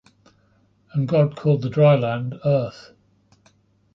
And God called the dry land Earth;